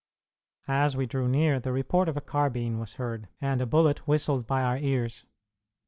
As we drew near, the report of a carbine was heard, and a bullet whistled by our ears.